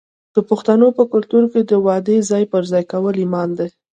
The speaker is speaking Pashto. د پښتنو په کلتور کې د وعدې ځای پر ځای کول ایمان دی.